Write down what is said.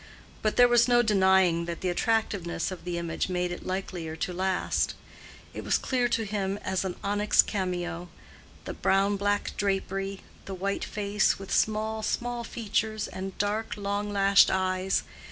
But there was no denying that the attractiveness of the image made it likelier to last. It was clear to him as an onyx cameo; the brown black drapery, the white face with small, small features and dark, long lashed eyes.